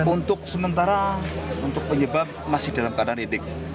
untuk sementara untuk penyebab masih dalam keadaan idik